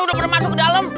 oh udah pernah masuk ke dalam